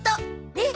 ねっ？